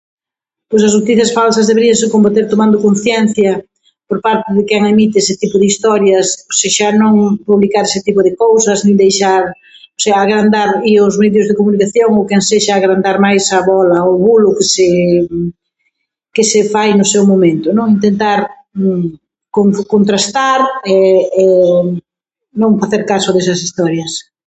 Pois as noticias falsas deberíanse combater tomando conciencia por parte de quen emite ese tipo de historias, ou sexa, non publicar ese tipo de cousas nin deixar, o sea, agrandar i os medios de comunicación, ou quen sexa, agrandar máis a bola, o bolo que se que se fai no seu momento, non? Intentar contrastar, non facer caso desas historias.